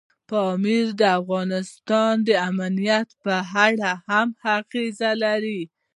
پامیر د افغانستان د امنیت په اړه هم اغېز لري.